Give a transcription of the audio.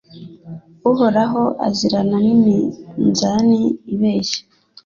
Uhoraho azirana n’iminzani ibeshya